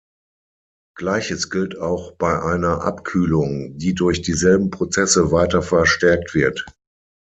Gleiches gilt auch bei einer Abkühlung, die durch dieselben Prozesse weiter verstärkt wird.